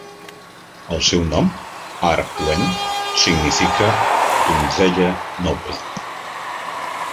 El seu nom "Ar-wen" significa "donzella noble",